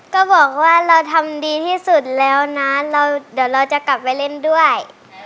ก็บอกว่าเราทำดีที่สุดแล้วนะเดี๋ยวเราจะกลับไปเล่นด้วย